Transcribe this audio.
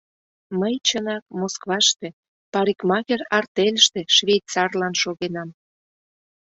Мый, чынак, Москваште, парикмахер артельыште, щвейцарлан шогенам.